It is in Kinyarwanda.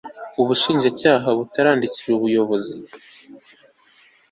ubushinjacyaha butarandikira ubuyobozi